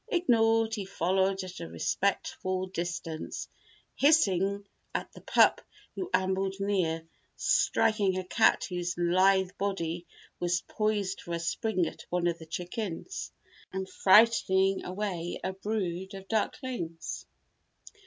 Ignored, he followed at a respectful distance, hissing at the pup who ambled near, striking a cat whose lithe body was poised for a spring at one of the chickens, and frightening away a brood of ducklings.